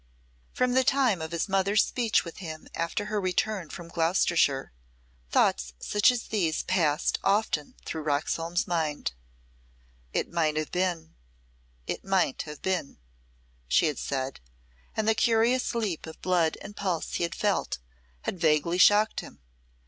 From the time of his mother's speech with him after her return from Gloucestershire, thoughts such as these passed often through Roxholm's mind. "It might have been; it might have been," she had said, and the curious leap of blood and pulse he had felt had vaguely shocked him.